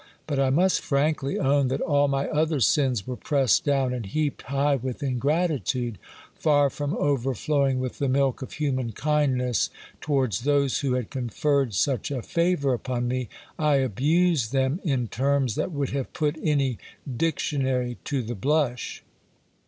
But I must frankly own that all my other sins were pressed down and heaped high with ingratitude : far from overflowing with the milk of human kindness towards those who had conferred such a favour upon me, I abused them in terms that would have put any dictionary to the blush.